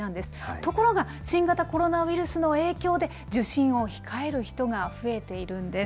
ところが、新型コロナウイルスの影響で、受診を控える人が増えているんです。